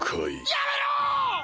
やめろ！